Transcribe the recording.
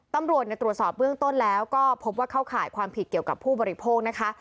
ตำรวจตรวจสอบเบื้องต้นแล้วก็พบว่าเข้าข่ายความผิดเกี่ยวกับผู้บริโภคนะคะ